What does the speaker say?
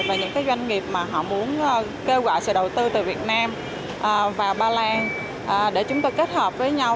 và những doanh nghiệp mà họ muốn kêu gọi sự đầu tư từ việt nam và ba lan để chúng tôi kết hợp với nhau